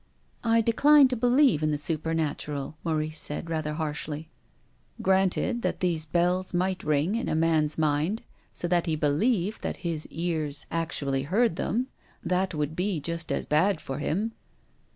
" I decline to believe in the supernatural," Maurice said, rather harshly. "Granted that these bells might ring in a man's mind, so that he believed that his cars actually 192 TONGUES OF CONSCIENCE. heard them. That would be just as bad for him."